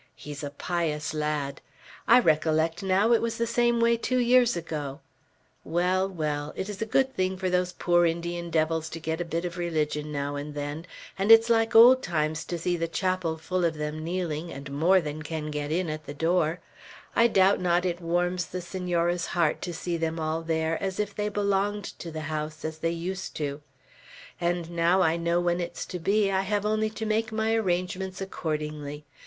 He's a pious lad. I recollect now, it was the same way two years ago. Well, well, it is a good thing for those poor Indian devils to get a bit of religion now and then; and it's like old times to see the chapel full of them kneeling, and more than can get in at the door; I doubt not it warms the Senora's heart to see them all there, as if they belonged to the house, as they used to: and now I know when it's to be, I have only to make my arrangements accordingly.